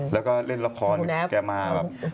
แล้วก็เล่นละครแกมาแบบ